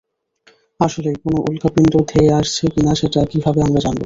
আসলেই কোনও উল্কাপিন্ড ধেয়ে আসছে কিনা সেটা কীভাবে আমরা জানব?